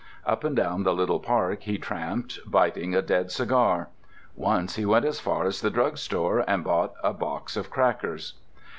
Up and down the little park he tramped, biting a dead cigar. Once he went as far as the drugstore and bought a box of crackers.